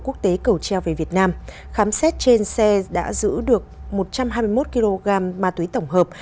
quốc tế cầu treo về việt nam khám xét trên xe đã giữ được một trăm hai mươi một kg ma túy tổng hợp